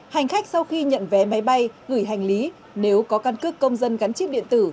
hành khách sau khi nhận vé máy bay gửi hành lý nếu có căn cước công dân gắn chip điện tử